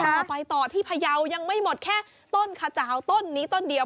เอาไปต่อที่พยาวยังไม่หมดแค่ต้นขจาวต้นนี้ต้นเดียว